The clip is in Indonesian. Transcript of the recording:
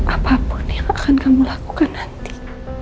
apapun yang akan kamu lakukan nanti